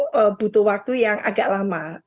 itu butuh waktu yang agak lama